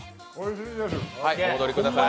お戻りください。